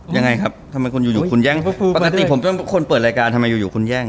ยังไงครับทำไมคุณอยู่คุณแรงปกติผมต้องเปิดรายการทำไมอยู่อยู่คุณแรง